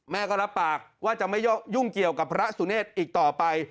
แม่ก็รับปากว่าจะไม่ยุ่งเกี่ยวกับพระสุเนธอีกต่อไป